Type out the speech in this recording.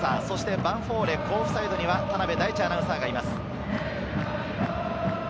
ヴァンフォーレ甲府サイドには田辺大智アナウンサーです。